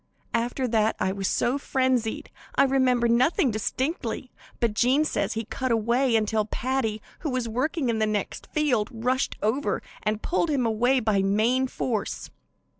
After that I was so frenzied I remember nothing distinctly, but Jean says he cut away until Paddy, who was working in the next field, rushed over and pulled him away by main force.